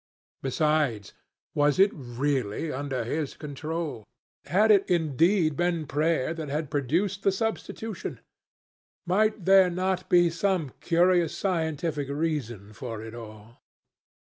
Besides, was it really under his control? Had it indeed been prayer that had produced the substitution? Might there not be some curious scientific reason for it all?